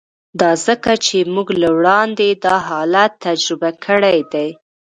دا ځکه چې موږ له وړاندې دا حالت تجربه کړی دی